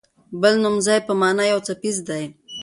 بل د نومځي په مانا یو څپیز دی.